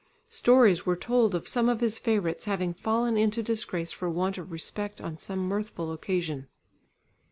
Stories were told of some of his favourites having fallen into disgrace for want of respect on some mirthful occasion.